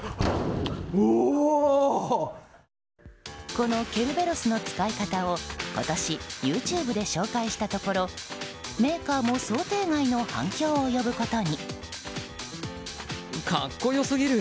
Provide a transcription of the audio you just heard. このケルベロスの使い方を今年ＹｏｕＴｕｂｅで紹介したところメーカーも想定外の反響を呼ぶことに。